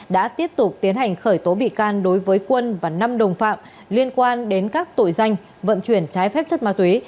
đã tiếp tục tiến hành khởi tố bị can đối với quân và năm đồng phạm liên quan đến các tội danh vận chuyển trái phép chất ma túy